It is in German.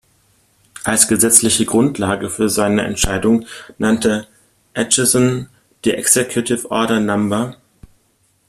Als gesetzliche Grundlage für seine Entscheidung nannte Acheson die Executive Order No.